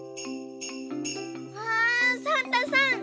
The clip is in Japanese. うわサンタさん